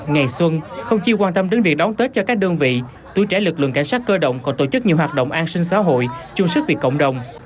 ngày xuân không chỉ quan tâm đến việc đón tết cho các đơn vị tuổi trẻ lực lượng cảnh sát cơ động còn tổ chức nhiều hoạt động an sinh xã hội chung sức vì cộng đồng